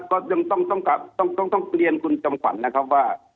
ก็ต้องเรียนคุณจำขวัญนะครับว่า